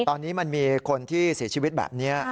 ตอนนี้มันมีคนที่เสียชีวิตแบบนี้